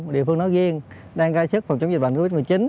địa phương nói riêng đang gai sức phòng chống dịch bệnh covid một mươi chín